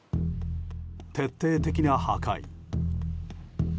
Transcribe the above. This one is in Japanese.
徹底的な破壊。